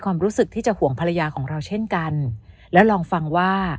ความรู้สึกที่จะห่วงภรรยาของเราเช่นกันแล้วลองฟังว่า